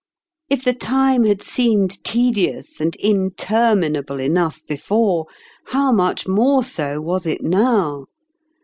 If the time had seemed tedious and inter minable enough before, how much more so 19 was it now